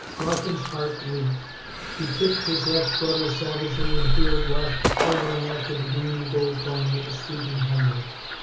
Larkin's heart leaped. He kicked his left rudder savagely and wheeled left, thundering after the green and gold plane that was streaking homeward.